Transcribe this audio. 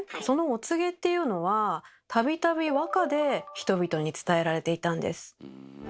そのお告げっていうのは度々和歌で人々に伝えられていたんです。